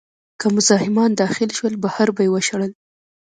که مزاحمان داخل شول، بهر به یې وشړل.